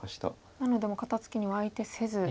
なのでもう肩ツキには相手せず。